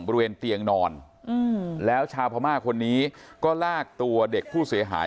บริเวณเตียงนอนแล้วชาวพม่าคนนี้ก็ลากตัวเด็กผู้เสียหาย